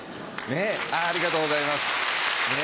ありがとうございます。